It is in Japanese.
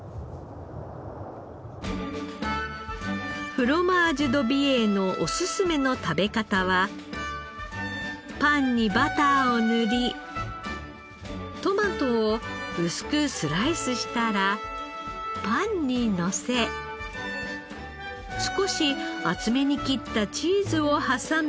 フロマージュ・ド・美瑛のおすすめの食べ方はパンにバターを塗りトマトを薄くスライスしたらパンにのせ少し厚めに切ったチーズを挟めば。